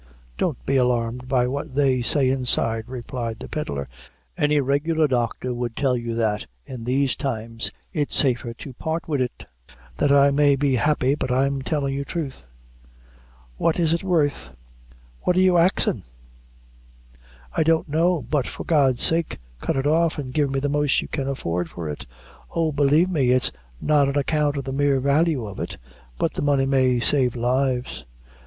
"Don't be alarmed by what they say inside," replied the pedlar; "any regular doctor would tell that, in these times, it's safer to part wid it that I may be happy but I'm tellin' you thruth. What is it worth? What are you axin?" "I don't know; but for God's sake cut it off, and give me the most you can afford for it. Oh! believe me, it's not on account of the mere value of it, but the money may save lives."